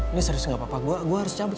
ini serius gak apa apa gue harus cabut